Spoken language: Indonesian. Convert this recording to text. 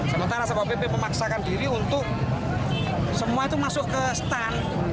sementara satpol pp memaksakan diri untuk semua itu masuk ke stand